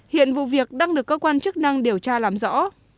hiện vụ việc đang được cơ quan chức năng điều tra làm rõ